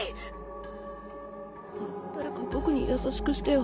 誰か僕に優しくしてよ。